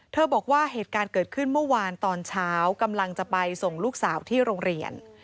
บอกว่าเหตุการณ์เกิดขึ้นเมื่อวานตอนเช้ากำลังจะไปส่งลูกสาวที่โรงเรียน